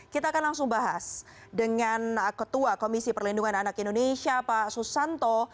kita akan langsung bahas dengan ketua komisi perlindungan anak indonesia pak susanto